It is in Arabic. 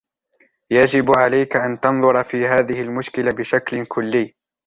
يجب عليك أن تنظر في هذه المشكلة بشكلٍ كلي.